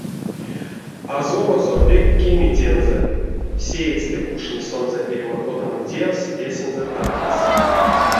Азорозо пек кеми тензэ, сеедьстэ кучни сонзэ эрьва кодамо тевс эсензэ таркас.